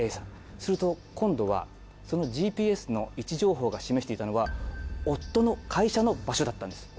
すると今度はそのＧＰＳの位置情報が示していたのは夫の会社の場所だったんです。